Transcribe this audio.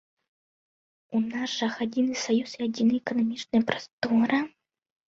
У нас жа адзіны саюз і адзіная эканамічная прастора.